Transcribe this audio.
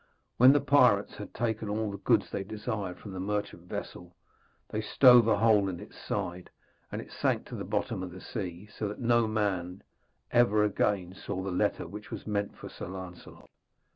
When the pirates had taken all the goods they desired from the merchant vessel, they stove a hole in its side, and it sank to the bottom of the sea. So that no man ever again saw the letter which was meant for Sir Lancelot.